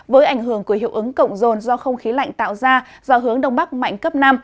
với ảnh hưởng của hiệu ứng cộng rồn do không khí lạnh tạo ra do hướng đông bắc mạnh cấp năm